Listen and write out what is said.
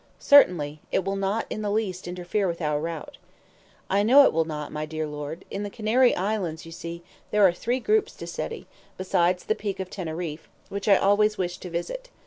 "Certainly. It will not the least interfere with our route." "I know it will not, my dear Lord. In the Canary Islands, you see, there are three groups to study, besides the Peak of Teneriffe, which I always wished to visit.